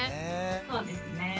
そうですね。